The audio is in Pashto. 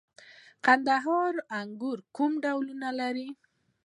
د کندهار انګور کوم ډولونه لري؟